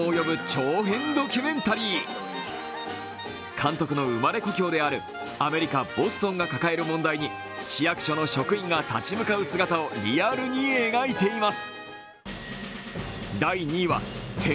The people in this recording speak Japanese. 監督の生まれ故郷であるアメリカ・ボストンが抱える問題に市役所の職員が立ち向かう姿をリアルに描いています。